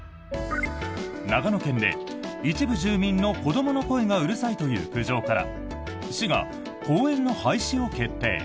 長野県で、一部住民の子どもの声がうるさいという苦情から市が公園の廃止を決定。